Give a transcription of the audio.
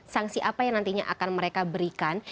sanksi apa yang nantinya akan mereka berikan